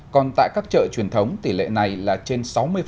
còn tại các chợ truyền thống tỷ lệ này là trên sáu mươi